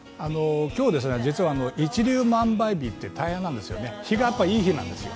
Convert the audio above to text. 今日、一粒万倍日っていう大安なんですよね、日がいい日なんですよ。